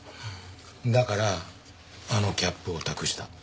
だからあのキャップを託した。